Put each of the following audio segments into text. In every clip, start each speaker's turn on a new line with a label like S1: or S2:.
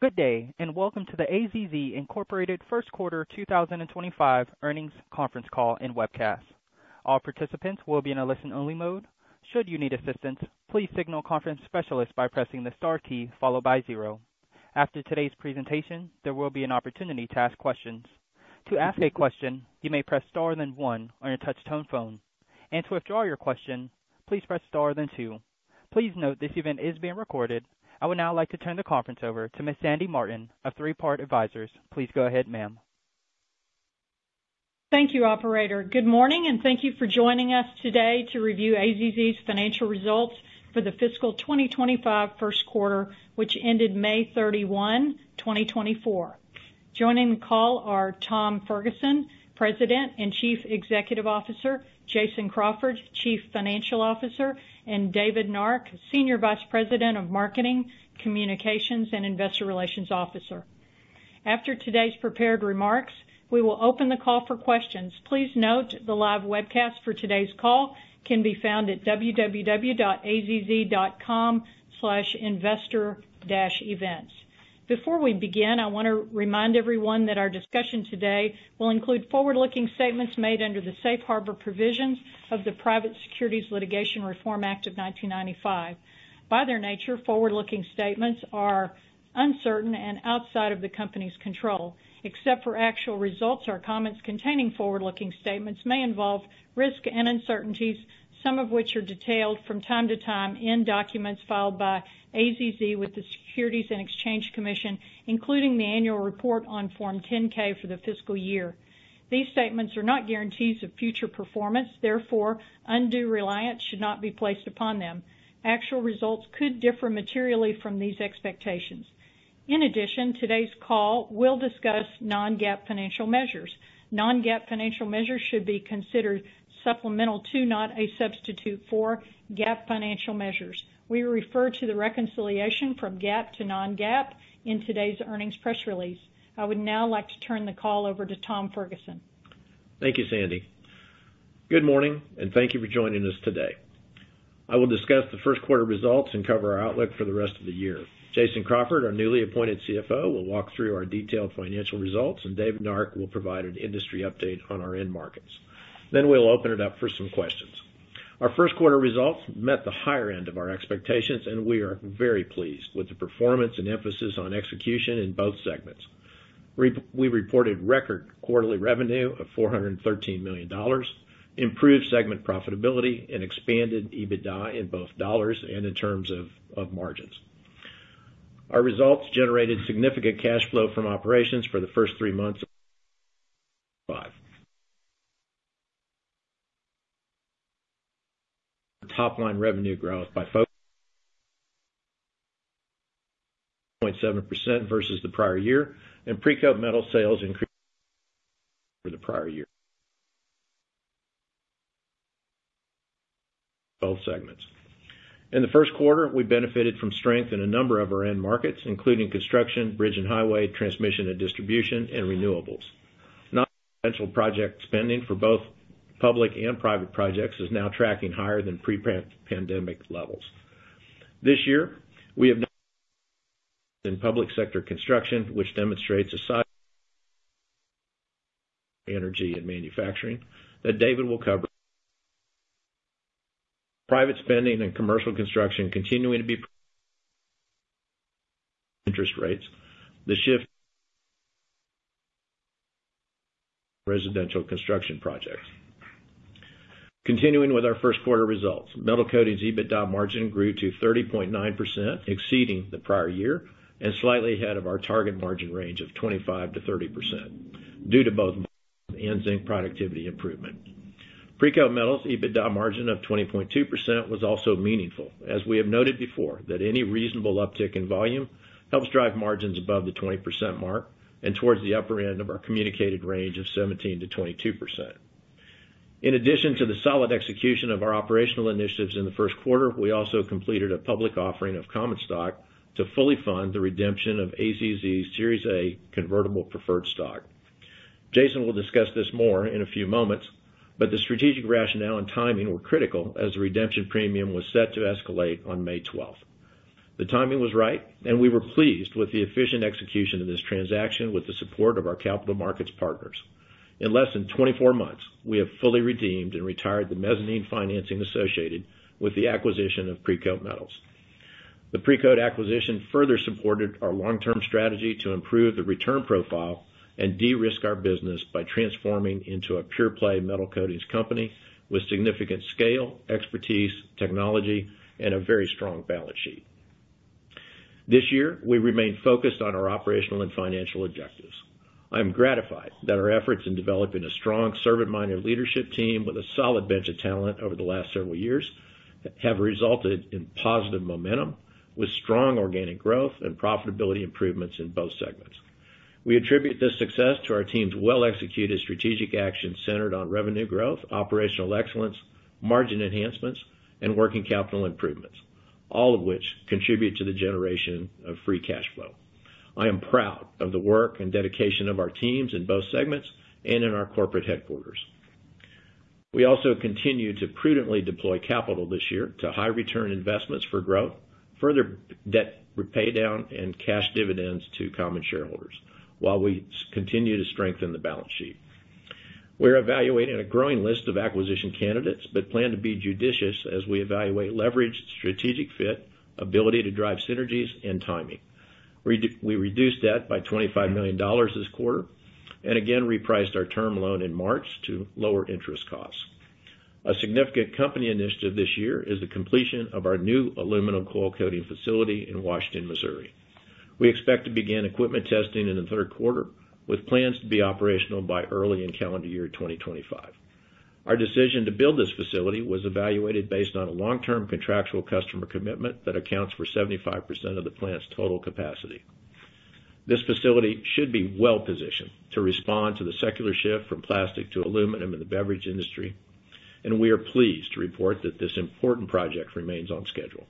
S1: Good day, and welcome to the AZZ Incorporated first quarter 2025 Earnings Conference Call and Webcast. All participants will be in a listen-only mode. Should you need assistance, please signal conference specialist by pressing the star key followed by zero. After today's presentation, there will be an opportunity to ask questions. To ask a question, you may press star, then one on your touch tone phone, and to withdraw your question, please press star then two. Please note this event is being recorded. I would now like to turn the conference over to Ms. Sandy Martin of Three Part Advisors. Please go ahead, ma'am.
S2: Thank you, operator. Good morning, and thank you for joining us today to review AZZ's financial results for the fiscal 2025 first quarter, which ended May 31st, 2024. Joining the call are Tom Ferguson, President and Chief Executive Officer, Jason Crawford, Chief Financial Officer, and David Nark, Senior Vice President of Marketing, Communications, and Investor Relations Officer. After today's prepared remarks, we will open the call for questions. Please note the live webcast for today's call can be found at www.azz.com/investor-events. Before we begin, I want to remind everyone that our discussion today will include forward-looking statements made under the safe harbor provisions of the Private Securities Litigation Reform Act of 1995. By their nature, forward-looking statements are uncertain and outside of the company's control, except for actual results, or comments containing forward-looking statements may involve risk and uncertainties, some of which are detailed from time to time in documents filed by AZZ with the Securities and Exchange Commission, including the annual report on Form 10-K for the fiscal year. These statements are not guarantees of future performance, therefore, undue reliance should not be placed upon them. Actual results could differ materially from these expectations. In addition, today's call will discuss non-GAAP financial measures. Non-GAAP financial measures should be considered supplemental to, not a substitute for, GAAP financial measures. We refer to the reconciliation from GAAP to non-GAAP in today's earnings press release. I would now like to turn the call over to Tom Ferguson.
S3: Thank you, Sandy. Good morning, and thank you for joining us today. I will discuss the first quarter results and cover our outlook for the rest of the year. Jason Crawford, our newly appointed CFO, will walk through our detailed financial results, and David Nark will provide an industry update on our end markets. Then we'll open it up for some questions. Our first quarter results met the higher end of our expectations, and we are very pleased with the performance and emphasis on execution in both segments. We reported record quarterly revenue of $413 million, improved segment profitability, and expanded EBITDA in both dollars and in terms of margins. Our results generated significant cash flow from operations for the first three months of FY25. Top line revenue growth by 0.7% versus the prior year, and Precoat Metals sales increased... for the prior year. Both segments. In the first quarter, we benefited from strength in a number of our end markets, including construction, bridge and highway, transmission and distribution, and renewables. Nonresidential project spending for both public and private projects is now tracking higher than pre-pandemic levels. This year, we have... in public sector construction, which demonstrates a size... energy and manufacturing that David will cover. Private spending and commercial construction continuing to be... interest rates. The shift... residential construction projects. Continuing with our first quarter results, Metal Coatings EBITDA margin grew to 30.9%, exceeding the prior year and slightly ahead of our target margin range of 25%-30%, due to both and zinc productivity improvement. Precoat Metals EBITDA margin of 20.2% was also meaningful, as we have noted before, that any reasonable uptick in volume helps drive margins above the 20% mark and towards the upper end of our communicated range of 17%-22%. In addition to the solid execution of our operational initiatives in the first quarter, we also completed a public offering of common stock to fully fund the redemption of AZZ's Series A Convertible Preferred Stock. Jason will discuss this more in a few moments, but the strategic rationale and timing were critical as the redemption premium was set to escalate on May 12th. The timing was right, and we were pleased with the efficient execution of this transaction with the support of our capital markets partners. In less than 24 months, we have fully redeemed and retired the mezzanine financing associated with the acquisition of Precoat Metals. The Precoat acquisition further supported our long-term strategy to improve the return profile and de-risk our business by transforming into a pure play Metal Coatings company with significant scale, expertise, technology, and a very strong balance sheet. This year, we remain focused on our operational and financial objectives. I'm gratified that our efforts in developing a strong servant-minded leadership team with a solid bench of talent over the last several years, have resulted in positive momentum, with strong organic growth and profitability improvements in both segments. We attribute this success to our team's well-executed strategic actions centered on revenue growth, operational excellence, margin enhancements, and working capital improvements, all of which contribute to the generation of Free Cash Flow. I am proud of the work and dedication of our teams in both segments and in our corporate headquarters. We also continued to prudently deploy capital this year to high return investments for growth, further debt repayment down and cash dividends to common shareholders, while we continue to strengthen the balance sheet. We're evaluating a growing list of acquisition candidates, but plan to be judicious as we evaluate leverage, strategic fit, ability to drive synergies, and timing. We reduced debt by $25 million this quarter, and again, repriced our term loan in March to lower interest costs. A significant company initiative this year is the completion of our new aluminum coil coating facility in Washington, Missouri. We expect to begin equipment testing in the third quarter, with plans to be operational by early in calendar year 2025. Our decision to build this facility was evaluated based on a long-term contractual customer commitment that accounts for 75% of the plant's total capacity. This facility should be well-positioned to respond to the secular shift from plastic to aluminum in the beverage industry, and we are pleased to report that this important project remains on schedule.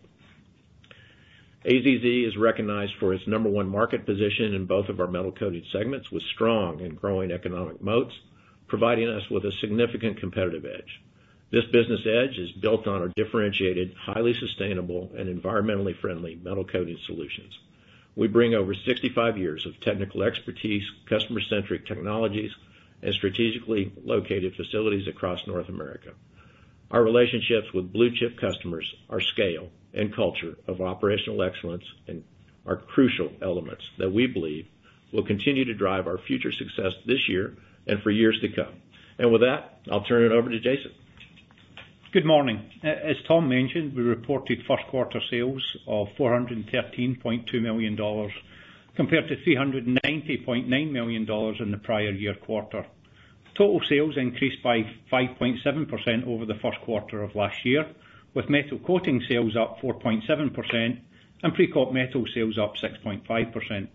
S3: AZZ is recognized for its number one market position in both of our Metal Coatings segments, with strong and growing economic moats, providing us with a significant competitive edge. This business edge is built on our differentiated, highly sustainable, and environmentally friendly Metal Coatings solutions. We bring over 65 years of technical expertise, customer-centric technologies, and strategically located facilities across North America. Our relationships with blue-chip customers, our scale and culture of operational excellence, and are crucial elements that we believe will continue to drive our future success this year and for years to come. With that, I'll turn it over to Jason.
S4: Good morning. As Tom mentioned, we reported first quarter sales of $413.2 million, compared to $390.9 million in the prior year quarter. Total sales increased by 5.7% over the first quarter of last year, with Metal Coatings sales up 4.7% and Precoat Metals sales up 6.5%.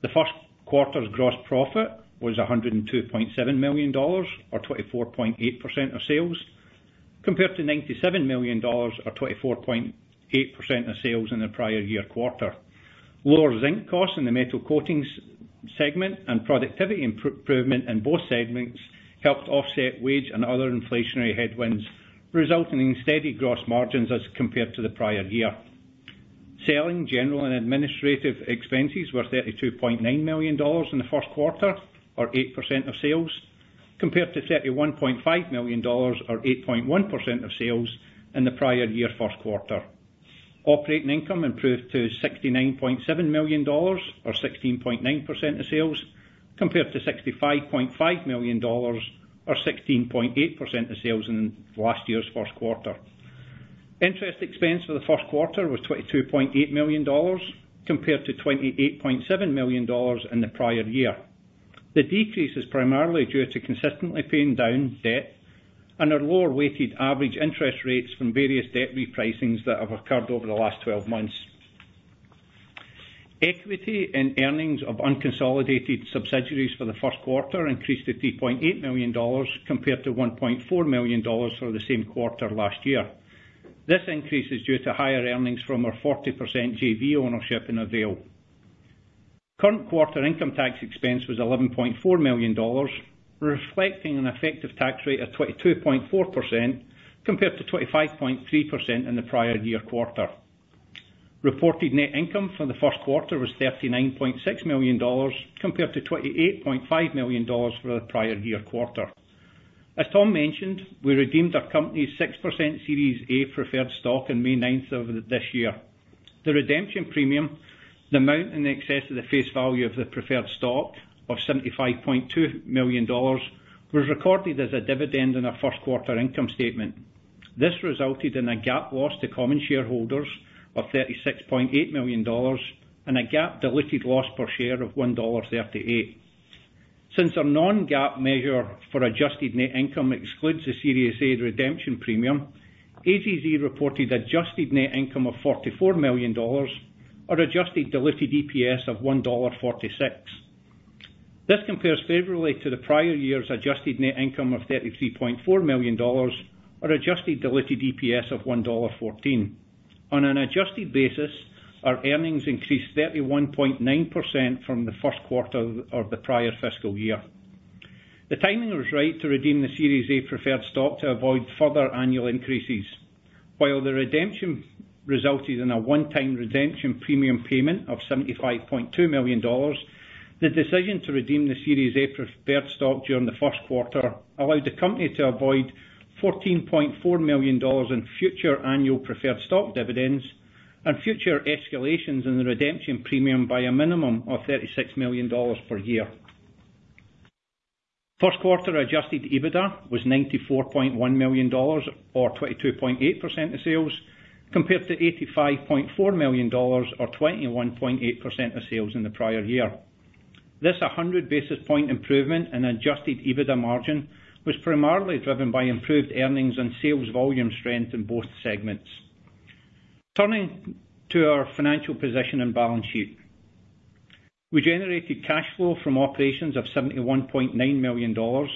S4: The first quarter's gross profit was $102.7 million, or 24.8% of sales, compared to $97 million or 24.8% of sales in the prior year quarter. Lower zinc costs in the Metal Coatings segment and productivity improvement in both segments helped offset wage and other inflationary headwinds, resulting in steady gross margins as compared to the prior year. Selling, general, and administrative expenses were $32.9 million in the first quarter, or 8% of sales, compared to $31.5 million or 8.1% of sales in the prior year first quarter. Operating income improved to $69.7 million or 16.9% of sales, compared to $65.5 million or 16.8% of sales in last year's first quarter. Interest expense for the first quarter was $22.8 million, compared to $28.7 million in the prior year. The decrease is primarily due to consistently paying down debt and our lower weighted average interest rates from various debt repricings that have occurred over the last twelve months. Equity and earnings of unconsolidated subsidiaries for the first quarter increased to $3.8 million, compared to $1.4 million for the same quarter last year. This increase is due to higher earnings from our 40% JV ownership in Avail. Current quarter income tax expense was $11.4 million, reflecting an effective tax rate of 22.4%, compared to 25.3% in the prior year quarter. Reported net income for the first quarter was $39.6 million, compared to $28.5 million for the prior year quarter. As Tom mentioned, we redeemed our company's 6% Series A preferred stock in May 9th of this year. The redemption premium, the amount in excess of the face value of the preferred stock of $75.2 million, was recorded as a dividend in our first quarter income statement. This resulted in a GAAP loss to common shareholders of $36.8 million and a GAAP diluted loss per share of $1.38. Since our non-GAAP measure for adjusted net income excludes the Series A redemption premium, AZZ reported adjusted net income of $44 million or adjusted diluted EPS of $1.46. This compares favorably to the prior year's adjusted net income of $33.4 million or adjusted diluted EPS of $1.14. On an adjusted basis, our earnings increased 31.9% from the first quarter of the prior fiscal year. The timing was right to redeem the Series A preferred stock to avoid further annual increases. While the redemption resulted in a one-time redemption premium payment of $75.2 million, the decision to redeem the Series A preferred stock during the first quarter allowed the company to avoid $14.4 million in future annual preferred stock dividends and future escalations in the redemption premium by a minimum of $36 million per year. First quarter adjusted EBITDA was $94.1 million or 22.8% of sales, compared to $85.4 million or 21.8% of sales in the prior year. This 100 basis point improvement in adjusted EBITDA margin was primarily driven by improved earnings and sales volume strength in both segments. Turning to our financial position and balance sheet. We generated cash flow from operations of $71.9 million,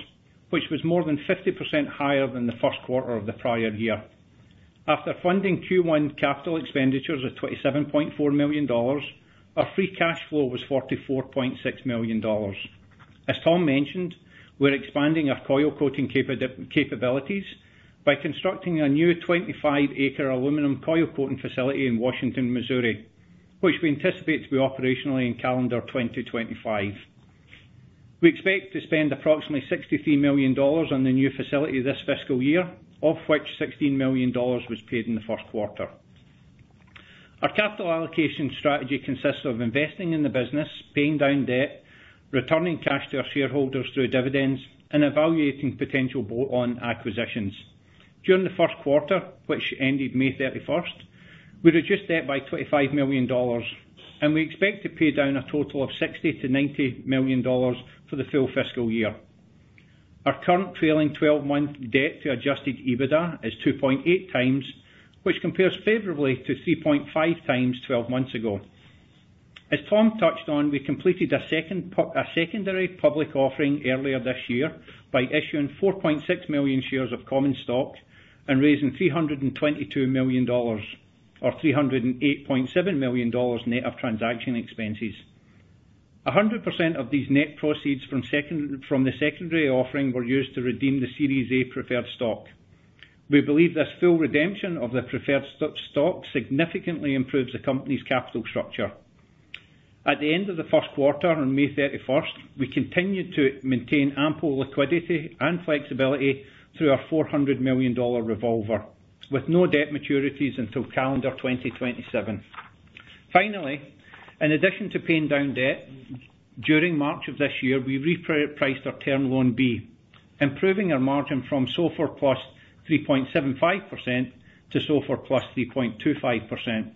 S4: which was more than 50% higher than the first quarter of the prior year. After funding Q1 capital expenditures of $27.4 million, our free cash flow was $44.6 million. As Tom mentioned, we're expanding our coil coating capabilities by constructing a new 25-acre aluminum coil coating facility in Washington, Missouri, which we anticipate to be operationally in calendar 2025. We expect to spend approximately $63 million on the new facility this fiscal year, of which $16 million was paid in the first quarter. Our capital allocation strategy consists of investing in the business, paying down debt, returning cash to our shareholders through dividends, and evaluating potential bolt-on acquisitions. During the first quarter, which ended May 31st, we reduced debt by $25 million, and we expect to pay down a total of $60 million-$90 million for the full fiscal year. Our current trailing twelve-month debt to Adjusted EBITDA is 2.8 times, which compares favorably to 3.5 times twelve-month ago. As Tom touched on, we completed a secondary public offering earlier this year by issuing 4.6 million shares of common stock and raising $322 million, or $308.7 million net of transaction expenses. 100% of these net proceeds from the secondary offering were used to redeem the Series A preferred stock. We believe this full redemption of the preferred stock significantly improves the company's capital structure. At the end of the first quarter, on May 31st, we continued to maintain ample liquidity and flexibility through our $400 million revolver, with no debt maturities until calendar 2027. Finally, in addition to paying down debt, during March of this year, we repriced our Term Loan B, improving our margin from SOFR plus 3.75% to SOFR plus 3.25%.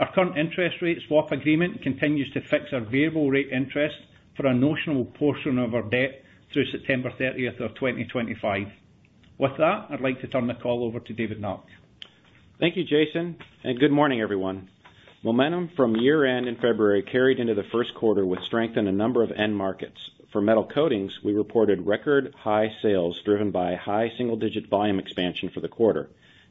S4: Our current interest rate swap agreement continues to fix our variable rate interest for a notional portion of our debt through September 30th of 2025. With that, I'd like to turn the call over to David Nark.
S5: Thank you, Jason, and good morning, everyone. Momentum from year-end in February carried into the first quarter with strength in a number of end markets. For Metal Coatings, we reported record-high sales driven by high single-digit volume expansion for the quarter.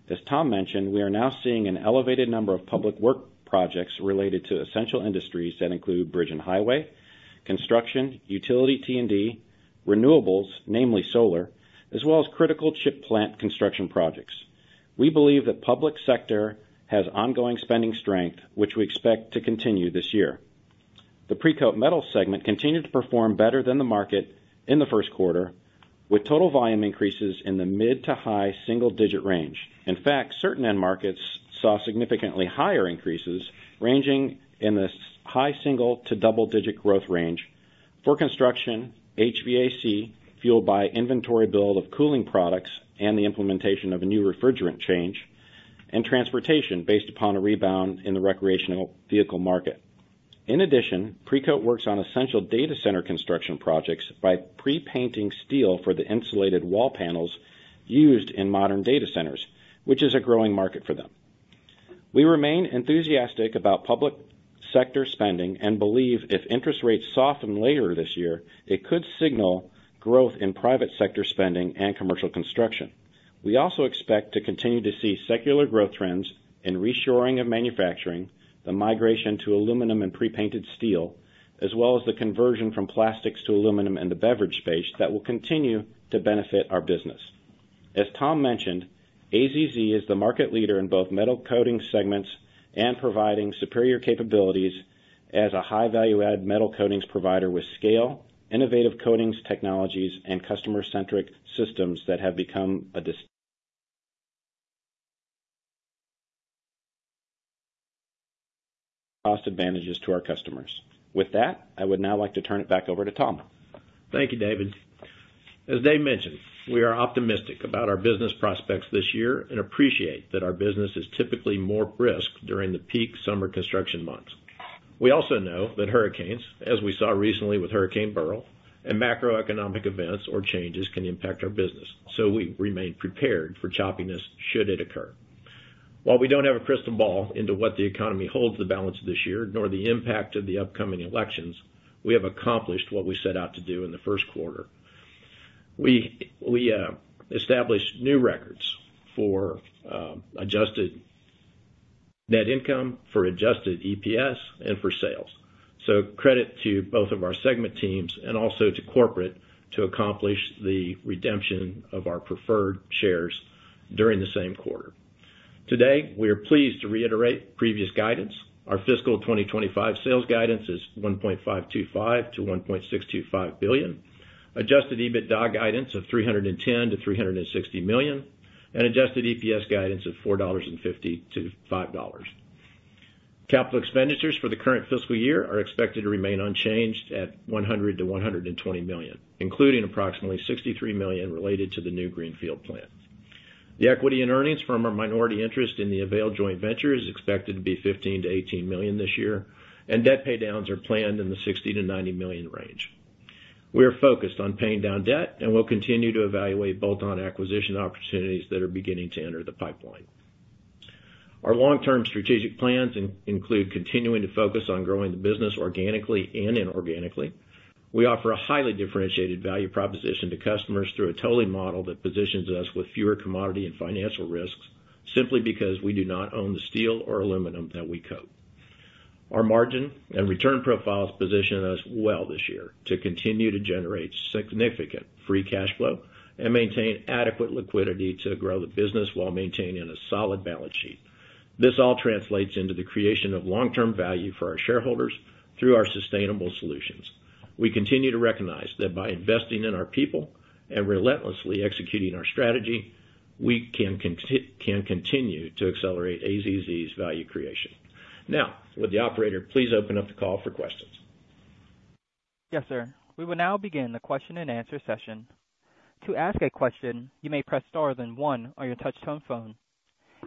S5: As Tom mentioned, we are now seeing an elevated number of public work projects related to essential industries that include bridge and highway, construction, utility T&D, renewables, namely solar, as well as critical chip plant construction projects. We believe that public sector has ongoing spending strength, which we expect to continue this year. The Precoat Metals segment continued to perform better than the market in the first quarter, with total volume increases in the mid- to high-single-digit range. In fact, certain end markets saw significantly higher increases, ranging in the high single to double-digit growth range for construction, HVAC, fueled by inventory build of cooling products and the implementation of a new refrigerant change, and transportation based upon a rebound in the recreational vehicle market. In addition, Precoat works on essential data center construction projects by pre-painting steel for the insulated wall panels used in modern data centers, which is a growing market for them. We remain enthusiastic about public sector spending and believe if interest rates soften later this year, it could signal growth in private sector spending and commercial construction. We also expect to continue to see secular growth trends in reshoring of manufacturing, the migration to aluminum and pre-painted steel, as well as the conversion from plastics to aluminum in the beverage space that will continue to benefit our business. As Tom mentioned, AZZ is the market leader in both Metal Coatings segments and providing superior capabilities as a high value-add Metal Coatings provider with scale, innovative coatings, technologies, and customer-centric systems that have become a distinct cost advantages to our customers. With that, I would now like to turn it back over to Tom.
S3: Thank you, David. As Dave mentioned, we are optimistic about our business prospects this year and appreciate that our business is typically more brisk during the peak summer construction months. We also know that hurricanes, as we saw recently with Hurricane Beryl, and macroeconomic events or changes, can impact our business, so we remain prepared for choppiness should it occur. While we don't have a crystal ball into what the economy holds the balance of this year, nor the impact of the upcoming elections, we have accomplished what we set out to do in the first quarter. We established new records for adjusted net income, for adjusted EPS, and for sales. So credit to both of our segment teams and also to corporate to accomplish the redemption of our preferred shares during the same quarter. Today, we are pleased to reiterate previous guidance. Our fiscal 2025 sales guidance is $1.525-$1.625 billion, Adjusted EBITDA guidance of $310-$360 million, and Adjusted EPS guidance of $4.50-$5.00. Capital expenditures for the current fiscal year are expected to remain unchanged at $100-$120 million, including approximately $63 million related to the new Greenfield plant. The equity and earnings from our minority interest in the Avail joint venture is expected to be $15-$18 million this year, and debt paydowns are planned in the $60-$90 million range. We are focused on paying down debt, and we'll continue to evaluate bolt-on acquisition opportunities that are beginning to enter the pipeline. Our long-term strategic plans include continuing to focus on growing the business organically and inorganically. We offer a highly differentiated value proposition to customers through a toll model that positions us with fewer commodity and financial risks, simply because we do not own the steel or aluminum that we coat. Our margin and return profiles position us well this year to continue to generate significant free cash flow and maintain adequate liquidity to grow the business while maintaining a solid balance sheet. This all translates into the creation of long-term value for our shareholders through our sustainable solutions. We continue to recognize that by investing in our people and relentlessly executing our strategy, we can continue to accelerate AZZ's value creation. Now, will the operator please open up the call for questions?
S1: Yes, sir. We will now begin the question and answer session. To ask a question, you may press star then one on your touch-tone phone.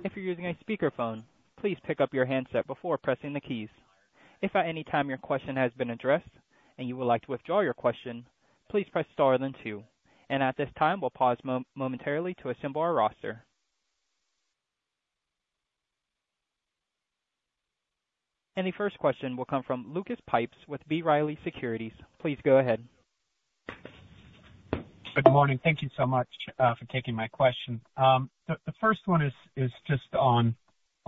S1: If you're using a speakerphone, please pick up your handset before pressing the keys. If at any time your question has been addressed and you would like to withdraw your question, please press star then two. And at this time, we'll pause momentarily to assemble our roster. And the first question will come from Lucas Pipes with B. Riley Securities. Please go ahead.
S6: Good morning. Thank you so much for taking my question. The first one is just on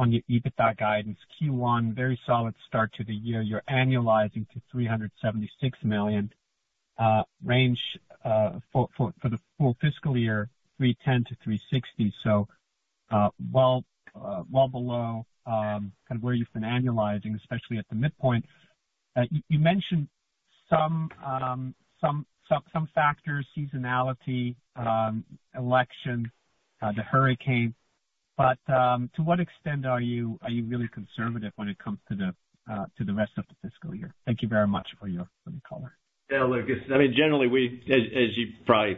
S6: your EBITDA guidance. Q1, very solid start to the year. You're annualizing to $376 million range for the full fiscal year, $310 million-$360 million. So, well, well below kind of where you've been annualizing, especially at the midpoint. You mentioned some factors, seasonality, election, the hurricane. But to what extent are you really conservative when it comes to the rest of the fiscal year? Thank you very much for the call.
S3: Yeah, Lucas, I mean, generally, as you probably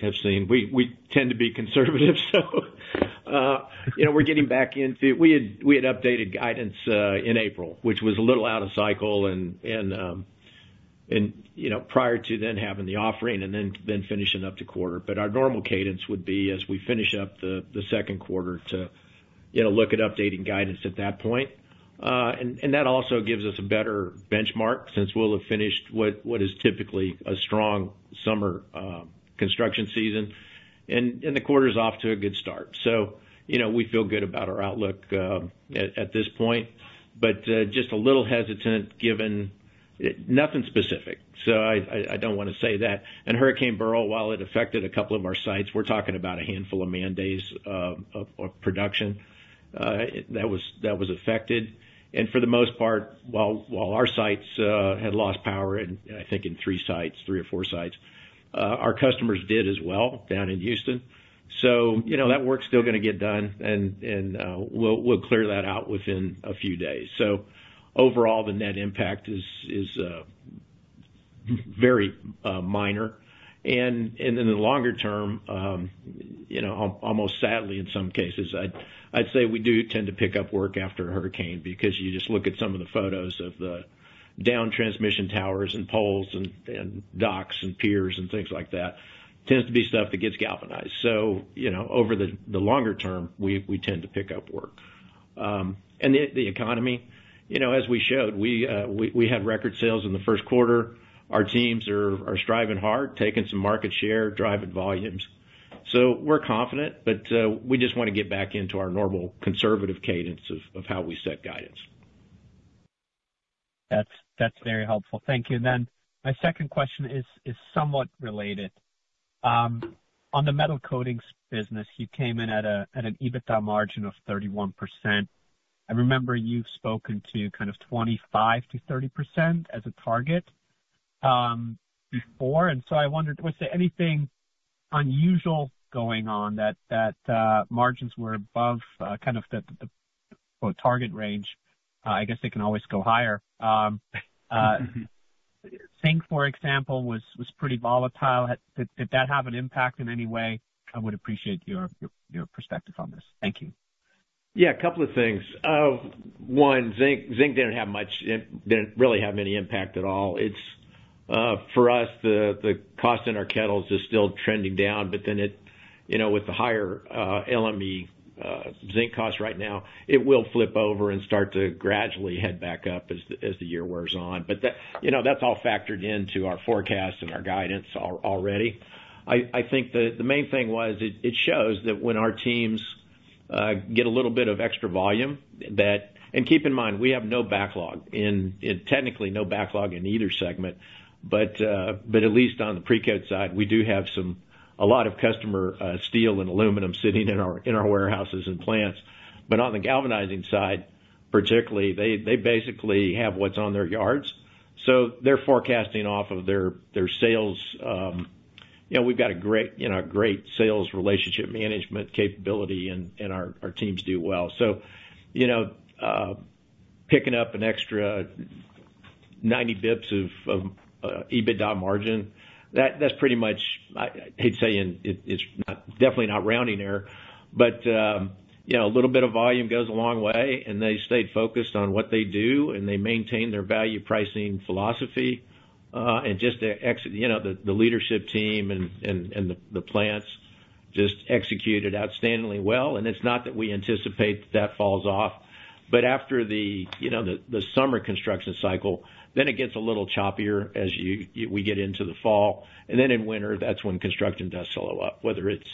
S3: have seen, we tend to be conservative. So, you know, we're getting back into it. We had updated guidance in April, which was a little out of cycle and, you know, prior to then having the offering and then finishing up the quarter. But our normal cadence would be, as we finish up the second quarter to, you know, look at updating guidance at that point. And that also gives us a better benchmark since we'll have finished what is typically a strong summer construction season, and the quarter's off to a good start. So, you know, we feel good about our outlook at this point, but just a little hesitant, given nothing specific. So I don't wanna say that. And Hurricane Beryl, while it affected a couple of our sites, we're talking about a handful of man days of production that was affected. And for the most part, while our sites had lost power, and I think in three sites, three or four sites, our customers did as well down in Houston. So, you know, that work's still gonna get done, and we'll clear that out within a few days. So overall, the net impact is very minor. In the longer term, almost sadly, in some cases, I'd say we do tend to pick up work after a hurricane because you just look at some of the photos of the down transmission towers and poles and docks and piers and things like that, tends to be stuff that gets galvanized. So, you know, over the longer term, we tend to pick up work. And the economy, you know, as we showed, we had record sales in the first quarter. Our teams are striving hard, taking some market share, driving volumes. So we're confident, but we just wanna get back into our normal conservative cadence of how we set guidance.
S6: That's very helpful. Thank you. Then my second question is somewhat related. On the Metal Coatings business, you came in at an EBITDA margin of 31%. I remember you've spoken to kind of 25%-30% as a target before, and so I wondered, was there anything unusual going on that margins were above kind of the target range? Well, I guess they can always go higher. Zinc, for example, was pretty volatile. Did that have an impact in any way? I would appreciate your perspective on this. Thank you.
S3: Yeah, a couple of things. One, zinc. Zinc didn't have much, it didn't really have any impact at all. It's for us, the cost in our kettles is still trending down, but then it, you know, with the higher LME zinc costs right now, it will flip over and start to gradually head back up as the year wears on. But that, you know, that's all factored into our forecast and our guidance already. I think the main thing was it shows that when our teams get a little bit of extra volume, that... And keep in mind, we have no backlog in, technically no backlog in either segment, but at least on the Precoat side, we do have some, a lot of customer steel and aluminum sitting in our warehouses and plants. But on the galvanizing side, particularly, they basically have what's on their yards, so they're forecasting off of their sales. You know, we've got a great sales relationship management capability, and our teams do well. So, you know, picking up an extra 90 basis points of EBITDA margin, that's pretty much, I'd say, it's not, definitely not rounding error. But, you know, a little bit of volume goes a long way, and they stayed focused on what they do, and they maintain their value pricing philosophy. And just to exit, you know, the leadership team and the plants just executed outstandingly well, and it's not that we anticipate that falls off, but after the, you know, the summer construction cycle, then it gets a little choppier as we get into the fall, and then in winter, that's when construction does slow up, whether it's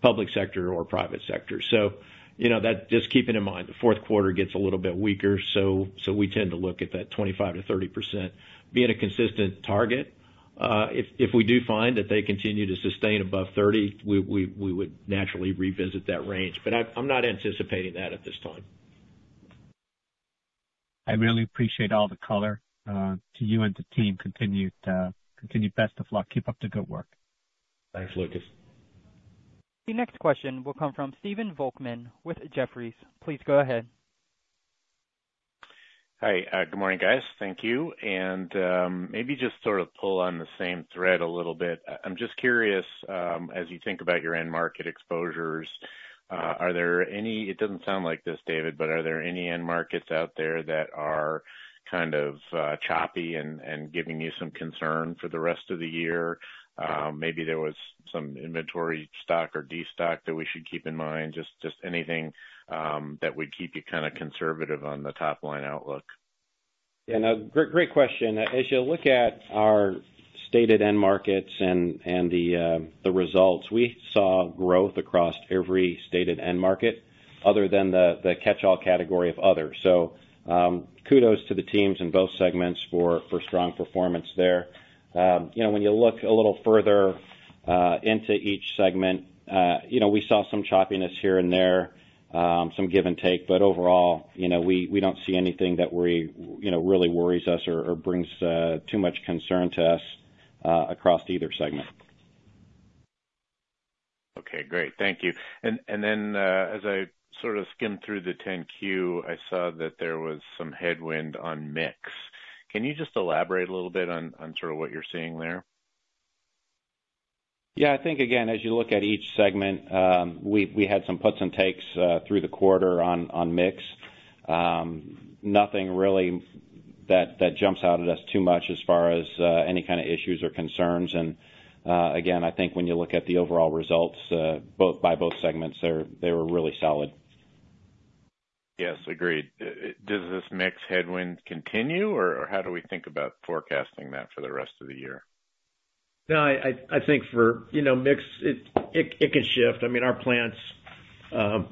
S3: public sector or private sector. So, you know, that just keeping in mind, the fourth quarter gets a little bit weaker, so we tend to look at that 25%-30% being a consistent target. If we do find that they continue to sustain above 30, we would naturally revisit that range. But I'm not anticipating that at this time.
S6: I really appreciate all the color to you and the team. Continued best of luck. Keep up the good work.
S3: Thanks, Lucas.
S1: The next question will come from Stephen Volkmann with Jefferies. Please go ahead.
S7: Hi, good morning, guys. Thank you. Maybe just sort of pull on the same thread a little bit. I'm just curious, as you think about your end market exposures, are there any... It doesn't sound like this, David, but are there any end markets out there that are kind of, choppy and, and giving you some concern for the rest of the year? Maybe there was some inventory stock or destock that we should keep in mind, just, just anything, that would keep you kind of conservative on the top-line outlook.
S3: Yeah, no, great, great question. As you look at our stated end markets and the results, we saw growth across every stated end market other than the catch-all category of other. So, kudos to the teams in both segments for strong performance there. You know, when you look a little further into each segment, you know, we saw some choppiness here and there, some give and take, but overall, you know, we don't see anything that worry, you know, really worries us or brings too much concern to us across either segment.
S7: Okay, great. Thank you. And then, as I sort of skimmed through the 10-Q, I saw that there was some headwind on mix. Can you just elaborate a little bit on sort of what you're seeing there?
S3: Yeah, I think, again, as you look at each segment, we had some puts and takes through the quarter on mix. Nothing really that jumps out at us too much as far as any kind of issues or concerns. And, again, I think when you look at the overall results, both by both segments, they were really solid.
S7: Yes, agreed. Does this mix headwind continue, or how do we think about forecasting that for the rest of the year?
S3: No, I think, you know, mix it can shift. I mean, our plants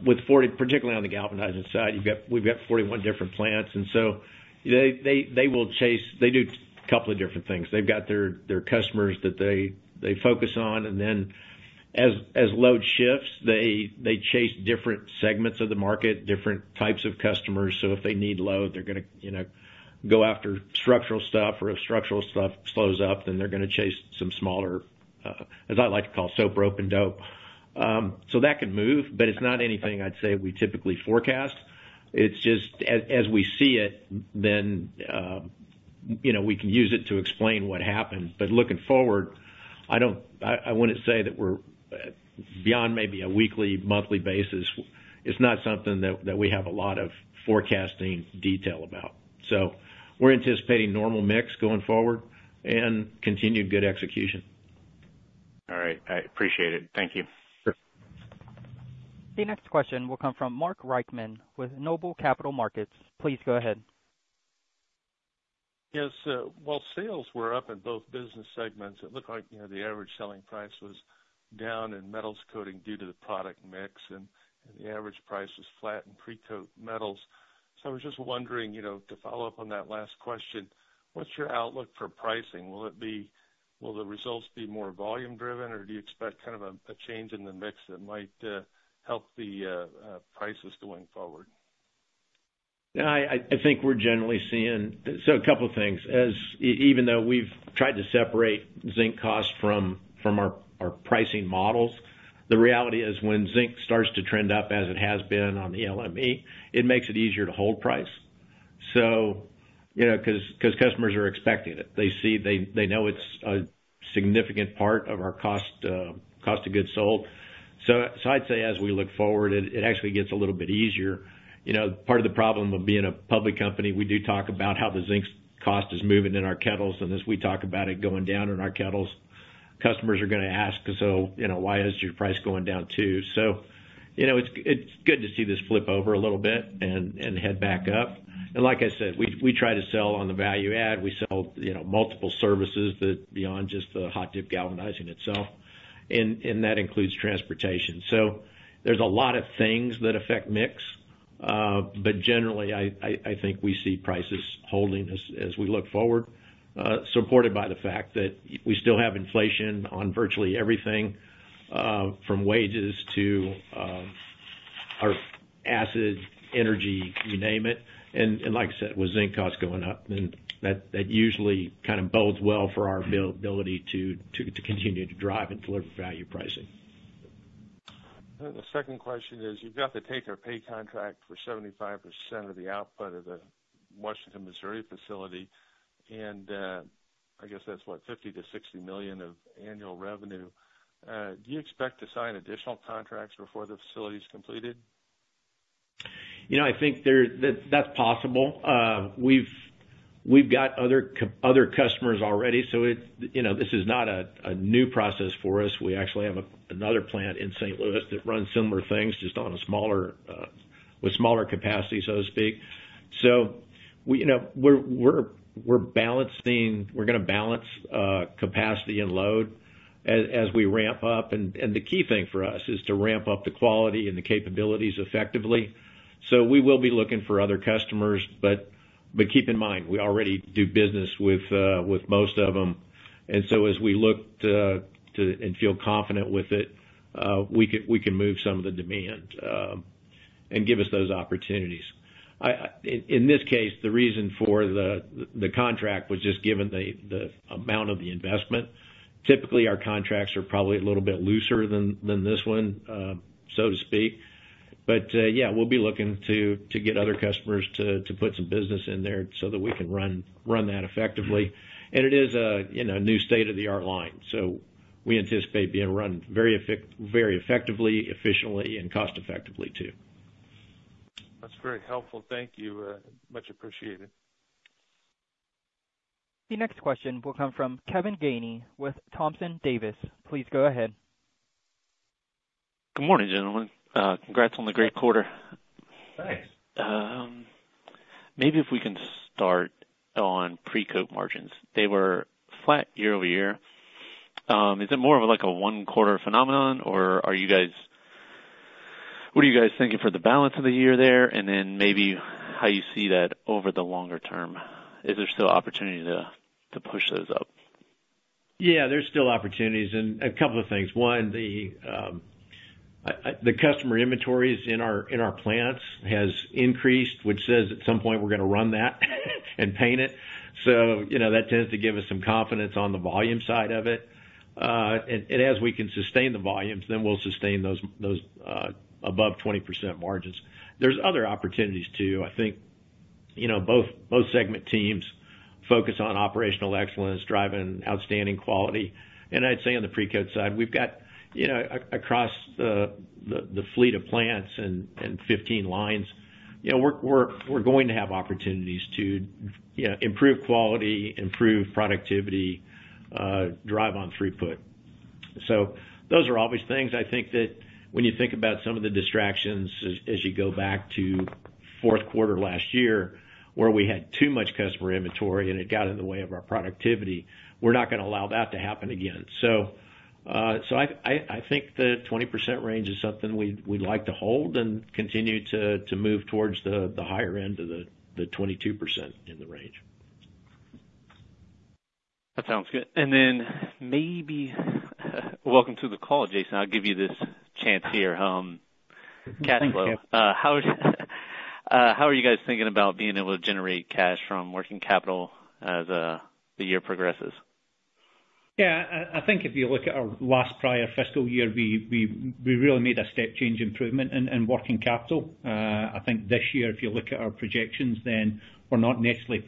S3: with 40, particularly on the galvanizing side, we've got 41 different plants, and so they will chase. They do a couple of different things. They've got their customers that they focus on, and then as load shifts, they chase different segments of the market, different types of customers. So if they need load, they're gonna, you know, go after structural stuff, or if structural stuff slows up, then they're gonna chase some smaller, as I like to call, soap, rope and dope. So that can move, but it's not anything I'd say we typically forecast. It's just as we see it, you know, we can use it to explain what happened. But looking forward, I don't. I wouldn't say that we're beyond maybe a weekly, monthly basis. It's not something that we have a lot of forecasting detail about. So we're anticipating normal mix going forward and continued good execution.
S7: All right. I appreciate it. Thank you.
S3: Sure.
S1: The next question will come from Mark Reichman with Noble Capital Markets. Please go ahead.
S8: Yes, while sales were up in both business segments, it looked like, you know, the average selling price was down in Metal Coatings due to the product mix, and, and the average price was flat in Precoat Metals. So I was just wondering, you know, to follow up on that last question, what's your outlook for pricing? Will it be will the results be more volume driven, or do you expect kind of a, a change in the mix that might help the prices going forward?
S3: Yeah, I think we're generally seeing... So a couple of things. Even though we've tried to separate zinc costs from our pricing models, the reality is when zinc starts to trend up, as it has been on the LME, it makes it easier to hold price. So, you know, 'cause customers are expecting it. They see, they know it's a significant part of our cost of goods sold. So I'd say as we look forward, it actually gets a little bit easier. You know, part of the problem of being a public company, we do talk about how the zinc's cost is moving in our kettles, and as we talk about it going down in our kettles, customers are gonna ask: "So, you know, why is your price going down, too?" So, you know, it's good to see this flip over a little bit and head back up. And like I said, we try to sell on the value add. We sell, you know, multiple services that beyond just the hot-dip galvanizing itself, and that includes transportation. So there's a lot of things that affect mix, but generally, I think we see prices holding as we look forward, supported by the fact that we still have inflation on virtually everything, from wages to our acid, energy, you name it. And like I said, with zinc costs going up, then that usually kind of bodes well for our ability to continue to drive and deliver value pricing.
S8: The second question is, you've got the take or pay contract for 75% of the output of the Washington, Missouri facility, and, I guess that's what, $50 million-$60 million of annual revenue. Do you expect to sign additional contracts before the facility is completed?...
S3: You know, I think there, that, that's possible. We've got other customers already, so it, you know, this is not a new process for us. We actually have another plant in St. Louis that runs similar things, just on a smaller, with smaller capacity, so to speak. So we, you know, we're gonna balance capacity and load as we ramp up. And the key thing for us is to ramp up the quality and the capabilities effectively. So we will be looking for other customers, but keep in mind, we already do business with most of them. And so as we look to and feel confident with it, we can move some of the demand and give us those opportunities. In this case, the reason for the contract was just given the amount of the investment. Typically, our contracts are probably a little bit looser than this one, so to speak. But, yeah, we'll be looking to get other customers to put some business in there so that we can run that effectively. And it is, you know, a new state-of-the-art line, so we anticipate being run very effectively, efficiently, and cost effectively, too.
S8: That's very helpful. Thank you. Much appreciated.
S1: The next question will come from Kevin Gainey with Thompson Davis. Please go ahead.
S9: Good morning, gentlemen. Congrats on the great quarter.
S3: Thanks.
S9: Maybe if we can start on Precoat margins. They were flat year-over-year. Is it more of like a one-quarter phenomenon, or are you guys, what are you guys thinking for the balance of the year there, and then maybe how you see that over the longer term? Is there still opportunity to push those up?
S3: Yeah, there's still opportunities, and a couple of things. One, the customer inventories in our plants has increased, which says at some point we're gonna run that and paint it. So, you know, that tends to give us some confidence on the volume side of it. And as we can sustain the volumes, then we'll sustain those above 20% margins. There's other opportunities, too. I think, you know, both segment teams focus on operational excellence, driving outstanding quality. And I'd say on the Precoat side, we've got, you know, across the fleet of plants and 15 lines, you know, we're going to have opportunities to, you know, improve quality, improve productivity, drive on throughput. So those are obvious things, I think, that when you think about some of the distractions as you go back to fourth quarter last year, where we had too much customer inventory and it got in the way of our productivity, we're not gonna allow that to happen again. So, so I think the 20% range is something we'd like to hold and continue to move towards the higher end of the 22% in the range.
S9: That sounds good. And then, maybe welcome to the call, Jason. I'll give you this chance here. Cash flow.
S4: Thank you.
S9: How are you guys thinking about being able to generate cash from working capital as the year progresses?
S4: Yeah, I think if you look at our last prior fiscal year, we really made a step change improvement in working capital. I think this year, if you look at our projections, we're not necessarily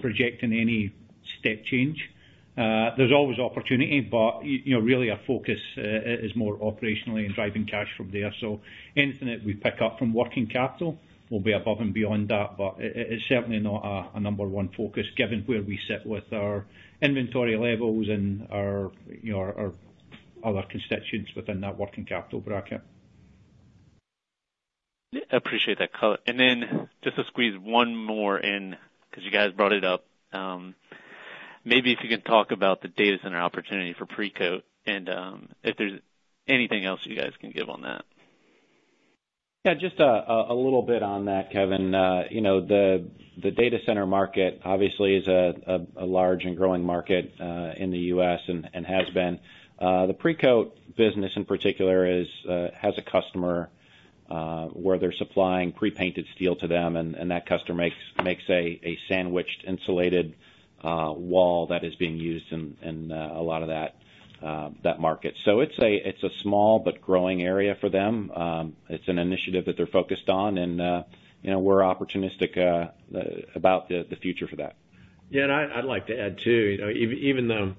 S4: projecting any step change. There's always opportunity, but you know, really our focus is more operationally and driving cash from there. So anything that we pick up from working capital will be above and beyond that, but it's certainly not our number one focus, given where we sit with our inventory levels and our, you know, our other constituents within that working capital bracket.
S9: I appreciate that color. And then just to squeeze one more in, 'cause you guys brought it up. Maybe if you can talk about the data center opportunity for Precoat and, if there's anything else you guys can give on that.
S4: Yeah, just a little bit on that, Kevin. You know, the data center market obviously is a large and growing market in the U.S. and has been. The Precoat business in particular has a customer where they're supplying pre-painted steel to them, and that customer makes a sandwiched, insulated wall that is being used in a lot of that market. So it's a small but growing area for them. It's an initiative that they're focused on, and you know, we're opportunistic about the future for that.
S3: Yeah, and I'd like to add, too, you know, even though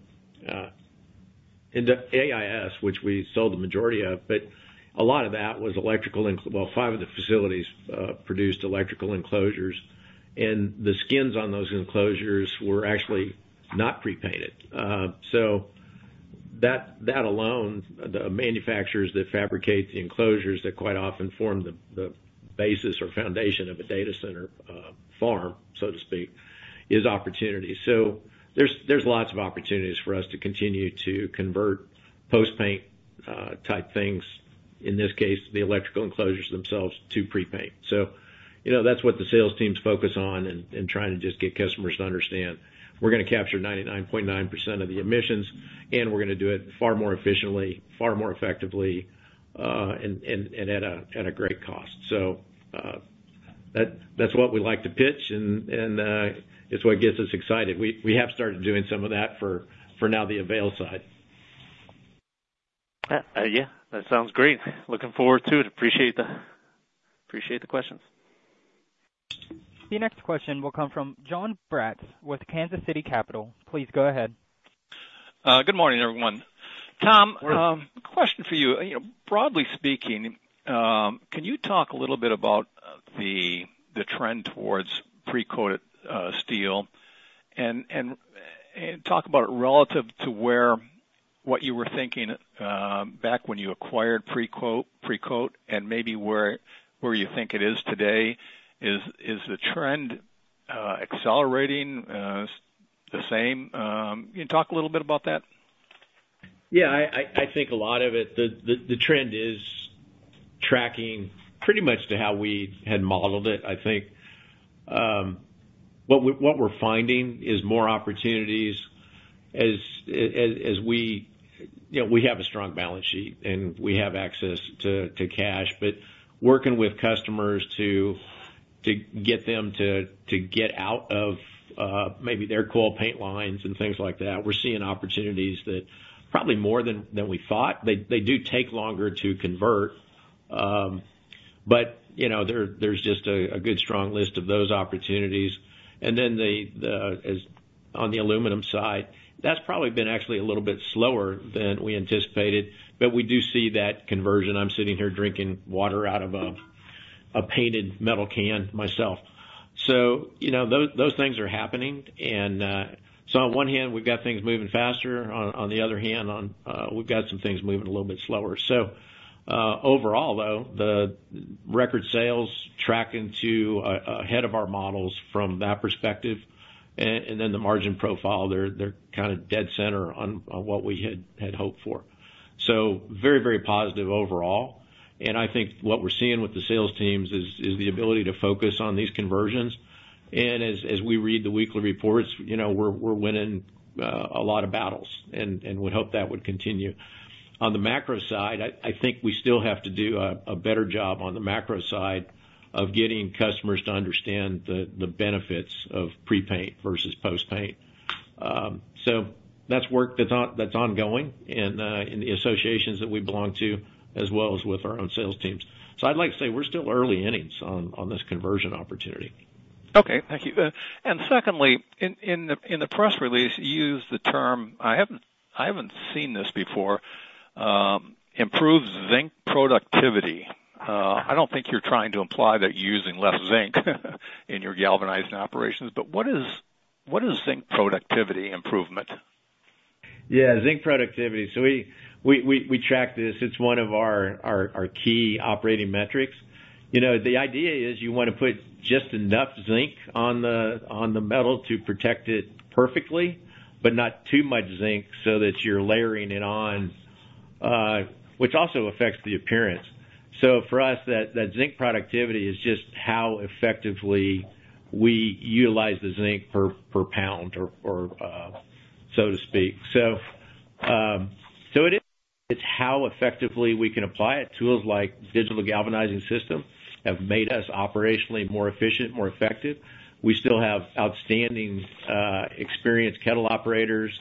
S3: in the AIS, which we sold the majority of, but a lot of that was electrical, well, five of the facilities produced electrical enclosures, and the skins on those enclosures were actually not pre-painted. So that alone, the manufacturers that fabricate the enclosures that quite often form the basis or foundation of a data center farm, so to speak, is opportunity. So there's lots of opportunities for us to continue to convert post-paint type things, in this case, the electrical enclosures themselves, to pre-paint. So, you know, that's what the sales teams focus on and trying to just get customers to understand, we're gonna capture 99.9% of the emissions, and we're gonna do it far more efficiently, far more effectively, and at a great cost. So, that, that's what we like to pitch, and it's what gets us excited. We have started doing some of that for now, the Avail side.
S9: Yeah, that sounds great. Looking forward to it. Appreciate the, appreciate the questions....
S1: The next question will come from John Braatz, with Kansas City Capital. Please go ahead.
S10: Good morning, everyone. Tom, question for you. You know, broadly speaking, can you talk a little bit about the trend towards pre-coated steel? And talk about it relative to what you were thinking back when you acquired Precoat, and maybe where you think it is today. Is the trend accelerating? The same? Can you talk a little bit about that?
S3: Yeah, I think a lot of it, the trend is tracking pretty much to how we had modeled it. I think, what we're finding is more opportunities as we... You know, we have a strong balance sheet, and we have access to cash, but working with customers to get them to get out of maybe their coil paint lines and things like that, we're seeing opportunities that probably more than we thought. They do take longer to convert. But, you know, there's just a good, strong list of those opportunities. And then, as on the aluminum side, that's probably been actually a little bit slower than we anticipated, but we do see that conversion. I'm sitting here drinking water out of a painted metal can myself. So, you know, those, those things are happening. And, so on one hand, we've got things moving faster. On, on the other hand, on, we've got some things moving a little bit slower. So, overall, though, the record sales tracking to, ahead of our models from that perspective, and, and then the margin profile, they're, they're kind of dead center on, on what we had, had hoped for. So very, very positive overall, and I think what we're seeing with the sales teams is, is the ability to focus on these conversions. And as, as we read the weekly reports, you know, we're, we're winning, a lot of battles and, and would hope that would continue. On the macro side, I think we still have to do a better job on the macro side of getting customers to understand the benefits of pre-paint versus post-paint. So that's work that's ongoing, and in the associations that we belong to, as well as with our own sales teams. So I'd like to say we're still early innings on this conversion opportunity.
S10: Okay. Thank you. And secondly, in the press release, you used the term. I haven't seen this before, improves zinc productivity. I don't think you're trying to imply that you're using less zinc in your galvanizing operations, but what is zinc productivity improvement?
S3: Yeah, zinc productivity. So we track this. It's one of our key operating metrics. You know, the idea is you wanna put just enough zinc on the metal to protect it perfectly, but not too much zinc so that you're layering it on, which also affects the appearance. So for us, that zinc productivity is just how effectively we utilize the zinc per pound or so to speak. So it is, it's how effectively we can apply it. Tools like Digital Galvanizing System have made us operationally more efficient, more effective. We still have outstanding experienced kettle operators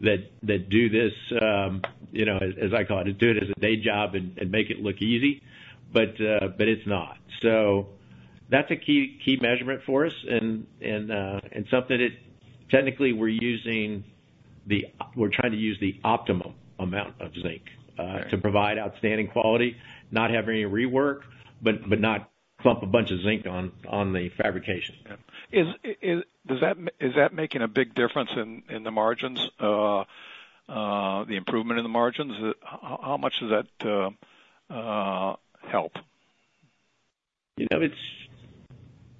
S3: that do this, you know, as I call it, do it as a day job and make it look easy, but, but it's not. So that's a key, key measurement for us and something that technically we're trying to use the optimum amount of zinc to provide outstanding quality, not have any rework, but not clump a bunch of zinc on the fabrication.
S10: Yeah. Is that making a big difference in the margins? The improvement in the margins, how much does that help?
S3: You know,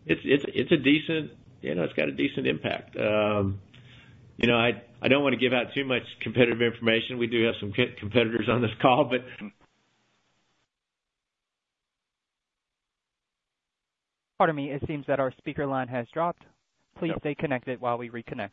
S3: it's a decent... You know, it's got a decent impact. You know, I don't wanna give out too much competitive information. We do have some competitors on this call, but
S1: Pardon me, it seems that our speaker line has dropped. Please stay connected while we reconnect.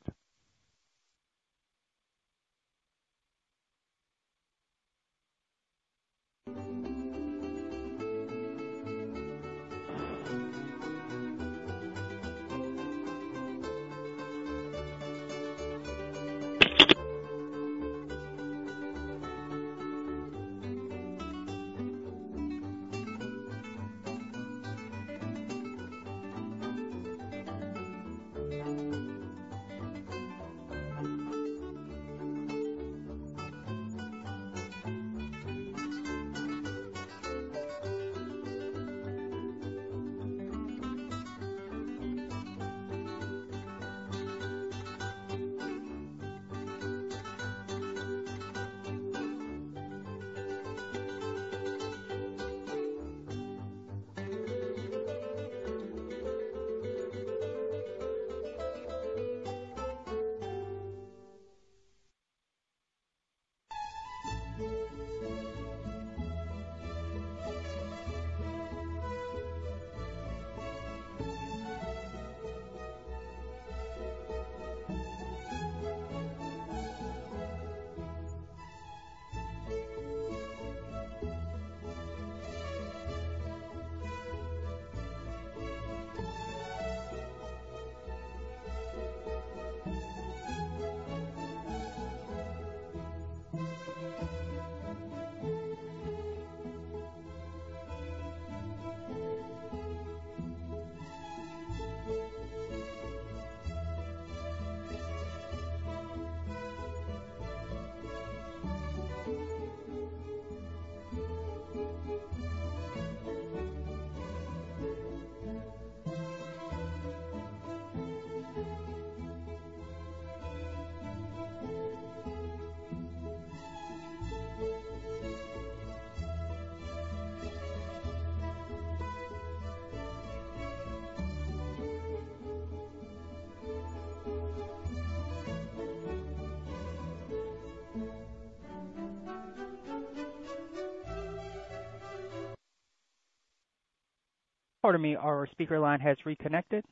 S1: Pardon me, our speaker line has reconnected.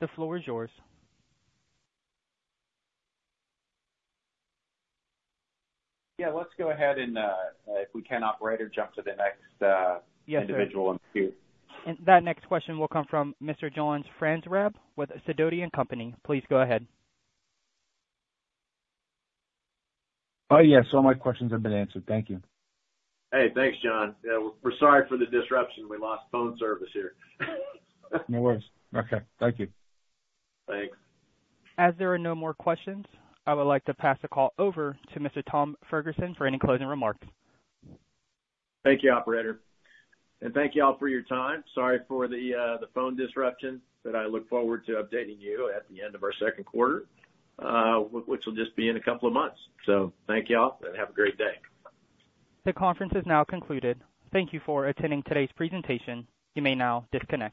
S1: The floor is yours.
S3: Yeah, let's go ahead and, if we can, operator, jump to the next,
S1: Yes.
S3: Individual in queue.
S1: That next question will come from Mr. John Franzreb, with Sidoti & Company. Please go ahead.
S11: Oh, yes, all my questions have been answered. Thank you.
S3: Hey, thanks, John. Yeah, we're sorry for the disruption. We lost phone service here.
S11: No worries. Okay, thank you.
S3: Thanks.
S1: As there are no more questions, I would like to pass the call over to Mr. Tom Ferguson for any closing remarks.
S3: Thank you, operator, and thank you all for your time. Sorry for the phone disruption, but I look forward to updating you at the end of our second quarter, which will just be in a couple of months. So thank you all, and have a great day.
S1: The conference is now concluded. Thank you for attending today's presentation. You may now disconnect.